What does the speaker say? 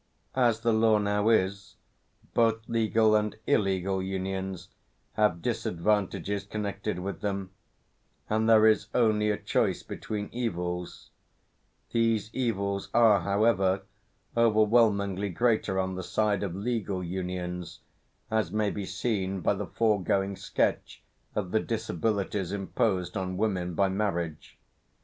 As the law now is, both legal and illegal unions have disadvantages connected with them, and there is only a choice between evils; these evils are however, overwhelmingly greater on the side of legal unions as may be seen by the foregoing sketch of the disabilities imposed on women by marriage.